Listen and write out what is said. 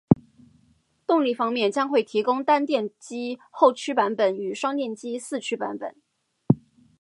动力方面，将会提供单电机后驱版本与双电机四驱版本